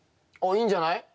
おっいいんじゃない？